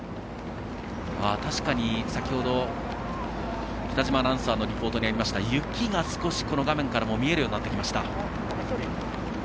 確かに先ほど北嶋アナウンサーのリポートにありました雪が少し画面からも見えるようになってきました。